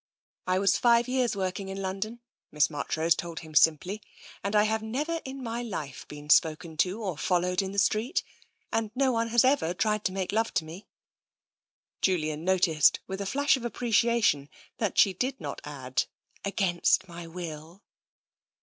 " I was five years working in London,*' Miss March rose told him simply, " and I have never in my life been spoken to or followed in the street. And no one has ever tried to make love to me." Julian noted with a flash of appreciation that she did not add, " against my will."